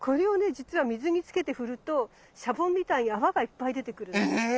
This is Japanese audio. じつは水につけて振るとシャボンみたいに泡がいっぱい出てくるの。